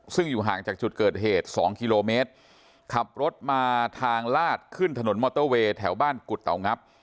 ซึ่งอยู่ห่างจากจุดเกิดเหตุสองกิโลเมตรขับรถมาทางลาดขึ้นถนนมอเตอร์เวย์แถวบ้านกุฎเตางับ